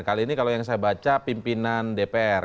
kali ini kalau yang saya baca pimpinan dpr